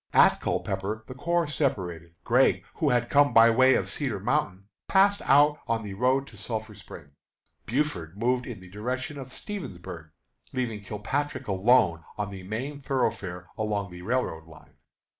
At Culpepper the corps separated. Gregg, who had come by way of Cedar Mountain, passed out on the road to Sulphur Springs. Buford moved in the direction of Stevensburg, leaving Kilpatrick alone on the main thoroughfare along the railroad line.